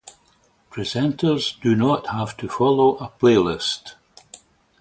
Presenters do not have to follow a playlist.